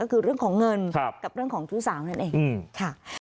ก็คือเรื่องของเงินกับเรื่องของชู้สาวนั่นเองค่ะ